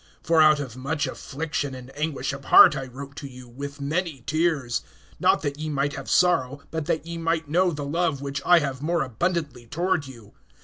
(4)For out of much affliction and anguish of heart I wrote to you, with many tears; not that ye might have sorrow, but that ye might know the love which I have more abundantly toward you.